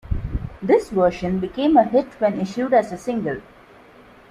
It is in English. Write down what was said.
This version became a hit when issued as a single.